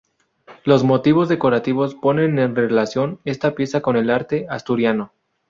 Los motivos decorativos ponen en relación esta pieza con el arte asturiano.